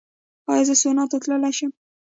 ایا زه سونا ته تلی شم؟